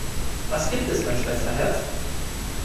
Was gibt es, mein Schwesterherz?